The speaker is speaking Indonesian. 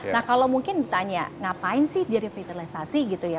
nah kalau mungkin ditanya ngapain sih direvitalisasi gitu ya